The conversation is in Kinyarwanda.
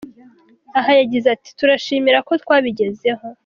Aha yagize ati :”Turishimira ko twabigezeho.